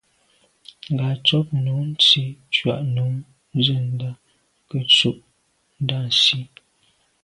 Ngatshob nu Nsi tshùa num nzendà nke’e ntsho Ndà Nsi.